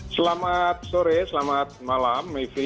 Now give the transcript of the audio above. selamat sore selamat malam